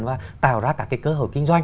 và tạo ra các cái cơ hội kinh doanh